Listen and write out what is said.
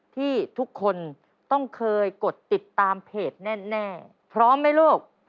ที่ทุกคนต้องเคยกดติดตามเพจแน่พร้อมไหมลูก